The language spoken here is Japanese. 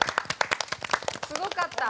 すごかった。